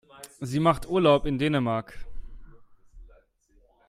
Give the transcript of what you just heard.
Sie macht Urlaub in Dänemark.